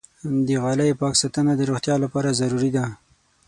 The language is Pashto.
د غالۍ پاک ساتنه د روغتیا لپاره ضروري ده.